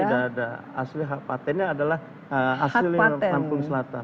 lampung utara tidak ada asli hat patennya adalah asli lampung selatan